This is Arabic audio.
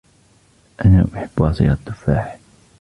أنا أحبّ عصيرَ التفّاحِ.